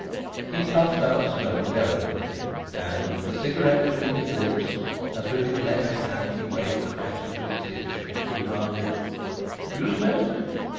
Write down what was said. He puffed out smoke delicately. And, the cigarette between his lips, as with his left hand he waved the match into extinction, he demanded: "You smoke?"